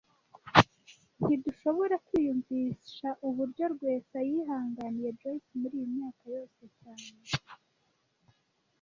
Ntidushobora kwiyumvisha uburyo Rwesa yihanganiye Joyce muriyi myaka yose cyane